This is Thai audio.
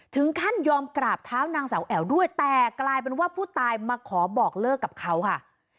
ถึงขั้นยอมกราบเท้านางสาวแอ๋วด้วยแต่กลายเป็นว่าผู้ตายมาขอบอกเลิกกับเขาค่ะ